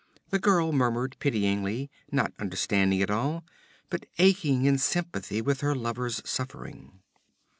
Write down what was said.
The girl murmured pityingly, not understanding it all, but aching in sympathy with her lover's suffering.